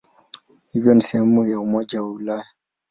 Hivyo ni sehemu ya Umoja wa Ulaya.